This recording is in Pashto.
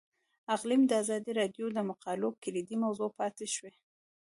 اقلیم د ازادي راډیو د مقالو کلیدي موضوع پاتې شوی.